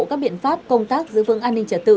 các biện pháp công tác giữ vững an ninh trật tự